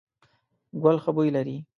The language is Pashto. ګل ښه بوی لري ….